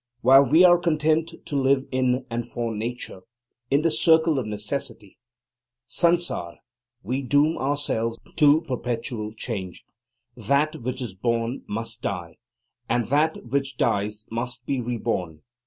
While we are content to live in and for Nature, in the Circle of Necessity, Sansara, we doom ourselves to perpetual change. That which is born must die, and that which dies must be reborn.